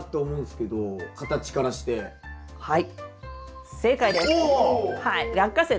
はい。